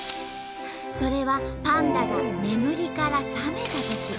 それはパンダが眠りから覚めたとき。